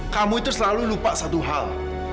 kamu itu selalu lupa satu hal